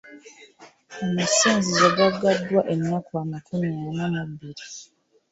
Amasinzizo gaggaddwa ennaku amakumi ana mu bbiri.